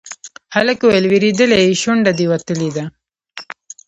هلک وويل: وېرېدلی يې، شونډه دې وتلې ده.